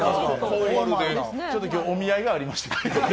ちょっと今日、お見合いがありまして。